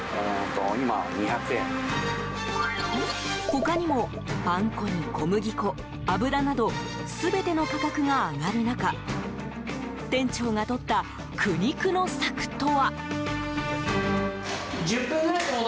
他にもパン粉に小麦粉、油など全ての価格が上がる中店長がとった苦肉の策とは。